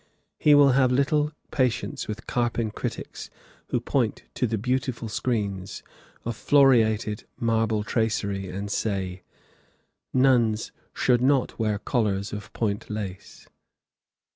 He will have little patience with carping critics who point to the beautiful screens, of floriated marble tracery, and say: "Nuns should not wear collars of point lace."